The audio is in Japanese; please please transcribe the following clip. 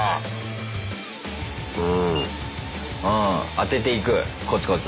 うん当てていくコツコツ。